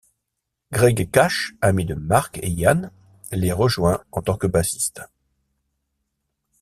Gregg Cash, ami de Mark et Ian, les rejoint en tant que bassiste.